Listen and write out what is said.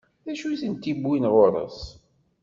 D acu i tent-iwwin ɣur-s?